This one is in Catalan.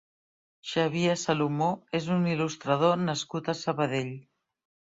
Xavier Salomó és un il·lustrador nascut a Sabadell.